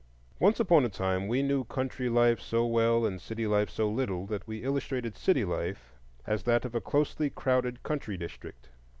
Once upon a time we knew country life so well and city life so little, that we illustrated city life as that of a closely crowded country district.